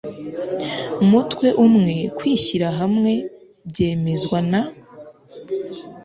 mutwe umwe kwishyira hamwe byemezwa na